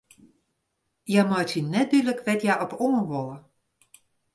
Hja meitsje net dúdlik wêr't hja op oan wolle.